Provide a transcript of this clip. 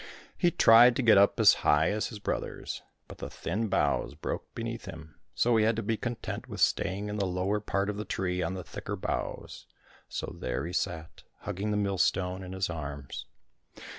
He tried to get up as high as his brothers, but the thin boughs broke beneath him, so he had to be content with staying in the lower part of the tree on the thicker boughs ; so there he sat, hugging the millstone in his arms.